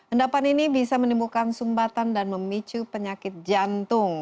endapan ini bisa menimbulkan sumbatan dan memicu penyakit jantung